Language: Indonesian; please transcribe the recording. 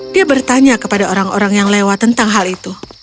dia bertanya kepada orang orang yang lewat tentang hal itu